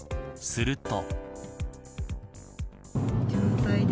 すると。